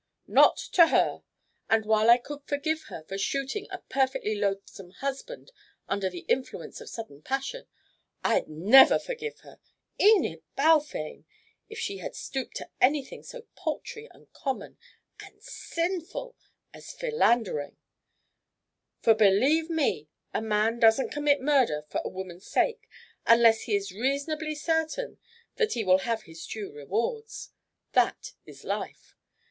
"Not to her. And while I could forgive her for shooting a perfectly loathsome husband under the influence of sudden passion, I'd never forgive her Enid Balfame! if she had stooped to anything so paltry and common and sinful as philandering; for believe me, a man doesn't commit murder for a woman's sake unless he is reasonably certain that he will have his due rewards. That is life.